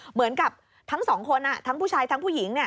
เหมือนกับทั้งสองคนทั้งผู้ชายทั้งผู้หญิง